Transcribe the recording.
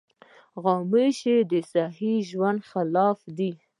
غوماشې د صحي ژوند خلاف دي.